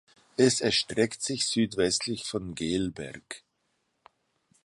Es erstreckt sich südwestlich von Gehlberg.